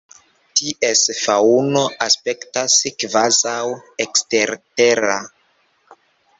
Ties faŭno aspektas kvazaŭ ekstertera.